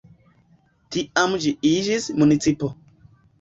Tiam ĝi iĝis municipo.